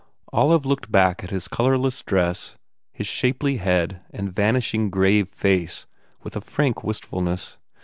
Olive looked back at his colourless dress, his shapely head and vanishing grave face with a frank wistfulness.